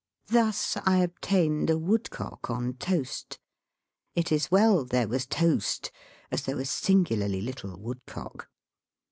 Thus I obtained a woodcock on toast. It is Well there was toast as there was singularly little woodcock.